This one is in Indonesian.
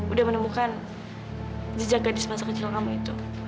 udah menemukan jejak gadis masa kecil kamu itu